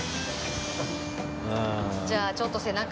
じゃあちょっと背中